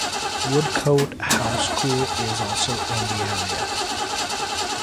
Woodcote House School is also in the area.